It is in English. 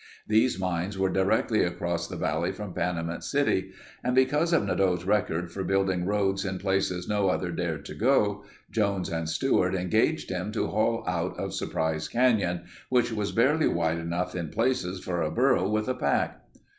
These mines were directly across the valley from Panamint City and because of Nadeau's record for building roads in places no other dared to go, Jones and Stewart engaged him to haul out of Surprise Canyon, which was barely wide enough in places for a burro with a pack.